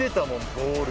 ボール